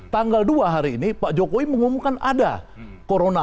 tanggal dua hari ini pak jokowi mengumumkan ada corona